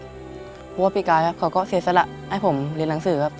เพราะว่าปีกายเขาก็เสียสละให้ผมเรียนหนังสือครับ